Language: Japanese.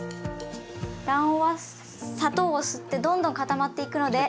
卵黄は砂糖を吸ってどんどん固まっていくので。